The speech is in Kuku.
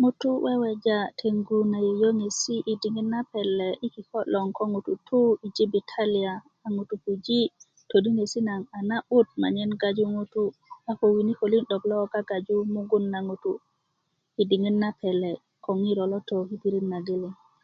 ŋutu' weweja' teŋgu na yöyöŋesi' yi diŋit na pele' yi kiko' loŋ ko ŋutu' tu yi jibitaliya a ŋutu' ti puji' todinesi' nagoŋ a na'but naŋ gagaju mugun a ko winikö 'dok lo gagaju mugun na ŋutu' yi diŋit na pele' ko ŋiro lo to yi pirit nageleŋ